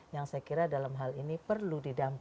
yang saya kira dalam hal ini perlu didampingi